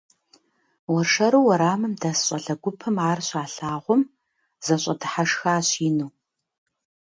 Уэршэру уэрамым дэс щӏалэ гупым ар щалъагъум, зэщӏэдыхьэшхащ ину.